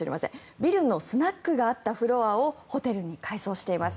ビルのスナックがあったフロアをホテルに改装しています。